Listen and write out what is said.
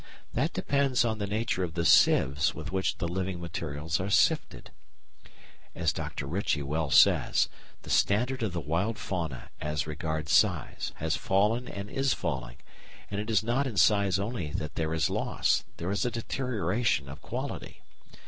That depends on the nature of the sieves with which the living materials are sifted. As Dr. Ritchie well says, the standard of the wild fauna as regards size has fallen and is falling, and it is not in size only that there is loss, there is a deterioration of quality.